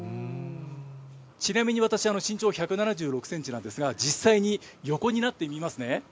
ちなみに私、身長１７６センチなんですが、実際に横になってみますね。